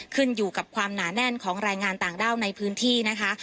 ขึ้นอยู่กับความหนาแน่นของแรงงานต่างด้าวในพื้นที่นะคะ